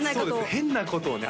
変なことをね